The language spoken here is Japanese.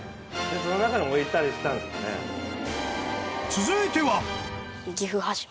［続いては］